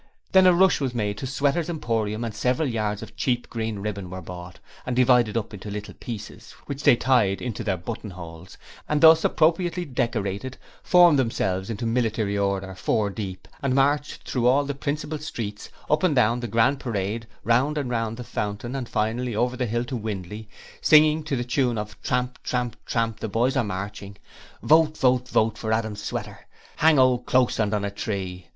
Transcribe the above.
Then a rush was made to Sweater's Emporium and several yards of cheap green ribbon were bought, and divided up into little pieces, which they tied into their buttonholes, and thus appropriately decorated, formed themselves into military order, four deep, and marched through all the principal streets, up and down the Grand Parade, round and round the Fountain, and finally over the hill to Windley, singing to the tune of 'Tramp, tramp, tramp, the Boys are marching': 'Vote, Vote, Vote for Adam Sweater! Hang old Closeland on a tree!